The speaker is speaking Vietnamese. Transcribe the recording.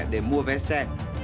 để mua vé xe